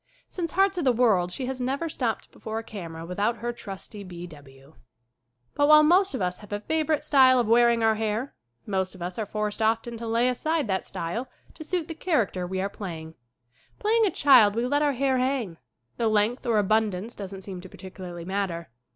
Since "Hearts of the World" she has never stepped before a camera without her trusty B. W. But while most of us have a favorite style of wearing our hair most of us are forced often to lay aside that style to suit the character we SCREEN ACTING 59 are playing. Playing a child we let our hair hang. The length or abundance doesn't seem to particularly matter.